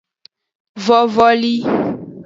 Vovoli.